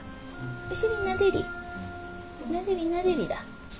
お尻なでりなでりなでりだ。